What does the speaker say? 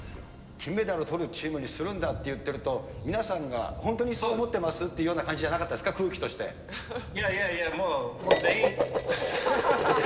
金メダルとるチームにするんだって言ってると、皆さんが本当にそう思ってます？っていうような感じじゃなかったですか、いやいやいや、もう全員。